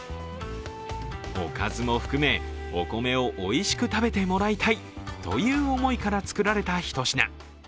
おかずも含め、お米をおいしく食べてもらいたいという思いから作られたひと品。